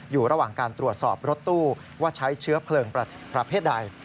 อยู่ระหว่างการตรวจสอบรถตู้ว่าใช้เชื้อเพลิงประเภทใด